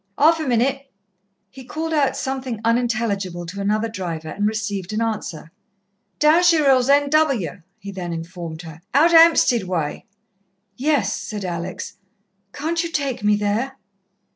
"'Alf a minute." He called out something unintelligible to another driver, and received an answer. "Downshire 'Ill's N.W.," he then informed her. "Out 'Ampstead w'y." "Yes," said Alex. "Can't you take me there?"